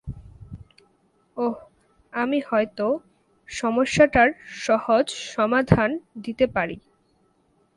ওহ, আমি হয়তো সমস্যাটার সহজ সমাধান দিতে পারি।